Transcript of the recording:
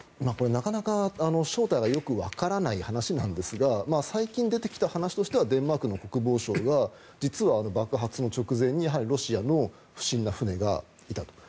なかなか正体がよくわからない話なんですが最近出てきた話としてはデンマークの国防省が爆発の直前にロシアの不審な船がいたと。